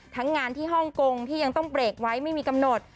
งานที่ฮ่องกงที่ยังต้องเบรกไว้ไม่มีกำหนด